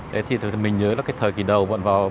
thì mình nhớ là cái thời kỳ đầu bọn vào